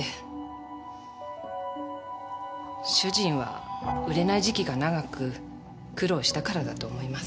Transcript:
主人は売れない時期が長く苦労したからだと思います。